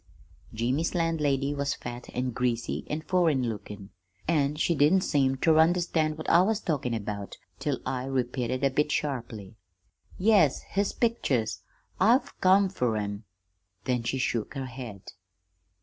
"Jimmy's landlady was fat an' greasy an' foreign lookin', an' she didn't seem ter understand what I was talkin' about till I repeated a bit sharply: "'Yes, his pictures. I've come fer 'em.' "Then she shook her head.